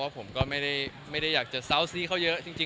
ผมก็ไม่ได้อยากจะเซาซีเขาเยอะจริง